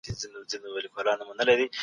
ماشومان د کاردستي له لارې خوشحاله کېږي.